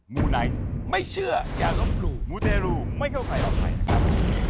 มูไนท์ไม่เชื่ออย่าลบหลู่มูเตรูไม่เข้าใครออกใครครับ